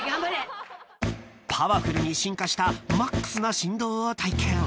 ［パワフルに進化したマックスな振動を体験］